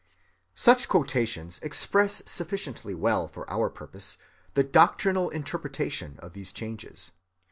Such quotations express sufficiently well for our purpose the doctrinal interpretation of these changes.